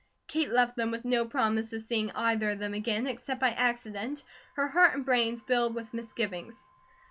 Kate left them with no promise of seeing either of them again, except by accident, her heart and brain filled with misgivings.